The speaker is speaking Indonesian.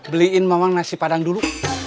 beliin memang nasi padang dulu